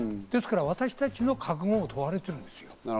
私たちの覚悟を問われているんです。